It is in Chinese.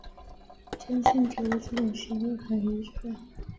真心觉得这种行为很愚蠢